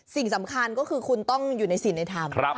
สิ่งสำคัญก็คือคุณต้องอยู่ในศีลในธรรม